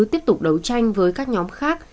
tiếp tục đấu tranh với các nhóm khác